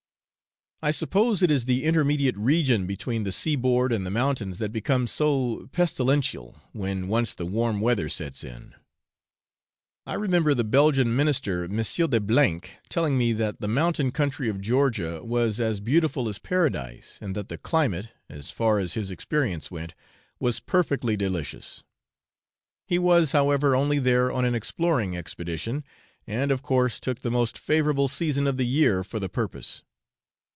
I suppose it is the intermediate region between the sea board and the mountains that becomes so pestilential when once the warm weather sets in. I remember the Belgian minister, M. de , telling me that the mountain country of Georgia was as beautiful as paradise, and that the climate, as far as his experience went, was perfectly delicious. He was, however, only there on an exploring expedition, and, of course, took the most favourable season of the year for the purpose.